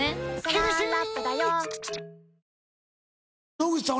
野口さん